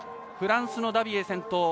フランスのダビエ先頭